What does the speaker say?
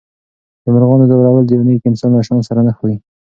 د مرغانو ځورول د یو نېک انسان له شان سره نه ښایي.